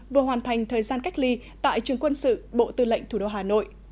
vừa hoàn thành thời gian cách ly tại trường quân sự bộ tư lệnh thủ đô hà nội